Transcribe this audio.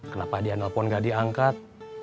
kenapa dia nelfon nggak diangkat